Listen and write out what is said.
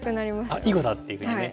「あっ囲碁だ！」っていうふうにね。